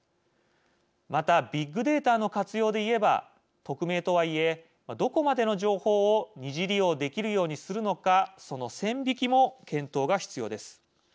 またビッグデータの活用で言えば匿名とはいえどこまでの情報を二次利用できるようにするのかその線引きも検討が必要です。